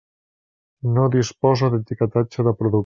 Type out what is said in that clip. No disposa d'etiquetatge de productes.